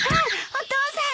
お父さん！